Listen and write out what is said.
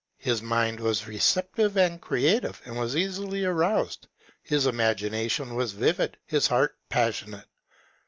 His mind was receptive and creative, and was easily aroused ; his imagination was vivid, his heart passionate.